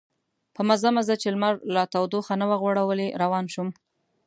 په مزه مزه چې لمر لا تودوخه نه وه غوړولې روان شوم.